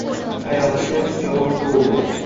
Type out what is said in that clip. Hayotga yorug’ yo’ldir.